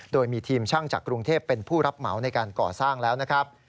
โดยมีทีมช่างจากกรุงเทพเป็นผู้รับเหมาในการก่อสร้างแล้วนะครับ